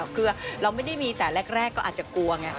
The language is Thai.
คือเราไม่ได้มีแต่แรกก็อาจจะกลัวไง